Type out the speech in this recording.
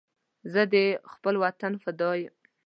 زه د خپل وطن فدا یم